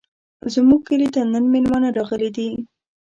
زموږ کلي ته نن مېلمانه راغلي دي.